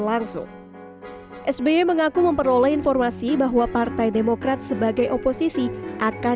langsung sby mengaku memperoleh informasi bahwa partai demokrat sebagai oposisi akan